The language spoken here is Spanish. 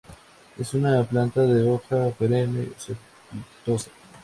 Es una planta de hoja perenne, cespitosa.